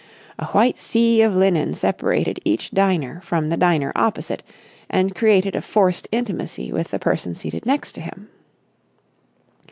A white sea of linen separated each diner from the diner opposite and created a forced intimacy with the person seated next to him.